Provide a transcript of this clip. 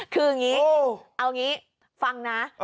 คืองี้เอางี้ฟังนะ